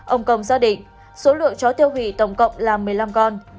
ông công xác định số lượng chó tiêu hủy tổng cộng là một mươi năm con